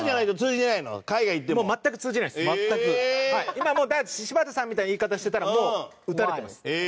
今もう柴田さんみたいな言い方してたらもう撃たれてます。